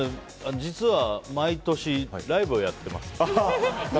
実は毎年、ライブをやってます。